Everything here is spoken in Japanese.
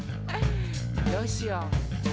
どうしよう？